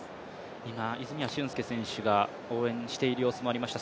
今、泉谷駿介選手が応援している様子もありました。